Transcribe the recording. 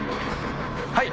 はい。